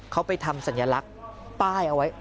เขาไปทำสัญลักษณ์ป้ายเอาไว้